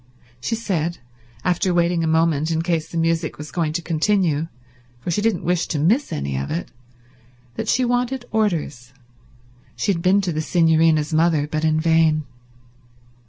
She said, after waiting a moment in case the music was going to continue, for she didn't wish to miss any of it, that she wanted orders; she had been to the Signorina's mother, but in vain.